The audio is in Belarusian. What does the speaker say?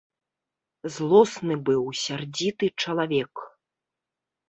Злосны быў, сярдзіты чалавек.